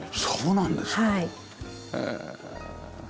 そうなんですか。